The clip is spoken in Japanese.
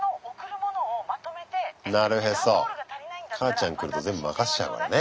母ちゃん来ると全部任しちゃうからね。